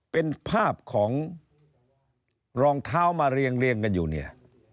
เป็นภาพของรองเท้ามาเรียงกันอยู่เนี่ย